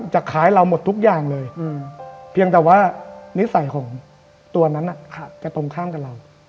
คล้ายเราหมดทุกอย่างเลยเพียงแต่ว่านิสัยของตัวนั้นจะตรงข้ามกับเรา